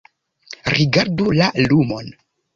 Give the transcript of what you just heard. Rigardu la lumon